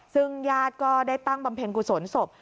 ซึ่งญาติก็ได้ตั้งบำเพ็ญกุศลศพ